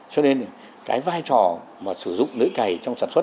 cho nên cái vai trò mà sử dụng lưỡi cày trong sản xuất